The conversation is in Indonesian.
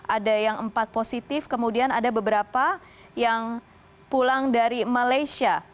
ada yang empat positif kemudian ada beberapa yang pulang dari malaysia